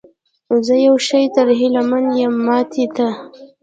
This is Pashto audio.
زه یو شي ته هیله من یم، ماتې ته؟